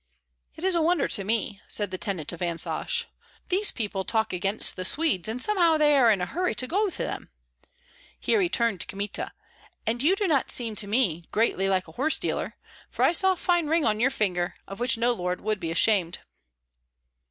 "It is a wonder to me," said the tenant of Vansosh. "These people talk against the Swedes, and somehow they are in a hurry to go to them." Here he turned to Kmita: "And you do not seem to me greatly like a horse dealer, for I saw a fine ring on your finger, of which no lord would be ashamed."